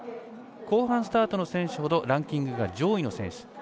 後半スタートの選手ほどランキングが上位の選手。